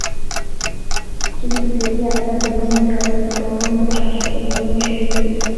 কিন্তু দেহী আত্মা দেহমধ্যে অবস্থিত, অনন্ত ও শাশ্বত জীবনের সহিত যুক্ত।